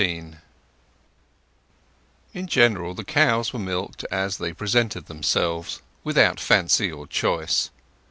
XIX In general the cows were milked as they presented themselves, without fancy or choice.